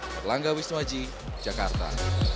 berlangga wisnuaji jakarta